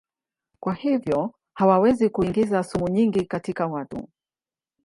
Kwa hivyo hawawezi kuingiza sumu nyingi katika watu.